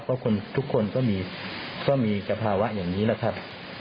เพราะคนทุกคนก็มีสภาวะอย่างนี้แหละครับ